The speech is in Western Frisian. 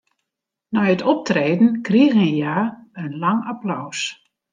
Nei it optreden krigen hja in lang applaus.